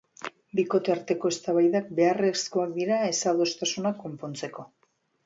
Bikote arteko eztabaidak beharrekoak dira ez-adostasunak konpontzeko.